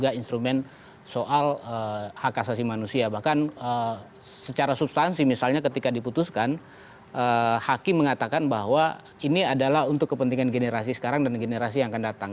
ada instrumen soal hak asasi manusia bahkan secara substansi misalnya ketika diputuskan hakim mengatakan bahwa ini adalah untuk kepentingan generasi sekarang dan generasi yang akan datang